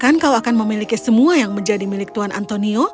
bahkan kau akan memiliki semua yang menjadi milik tuan antonio